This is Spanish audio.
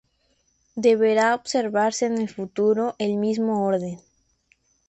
Deberá observarse en el futuro el mismo orden.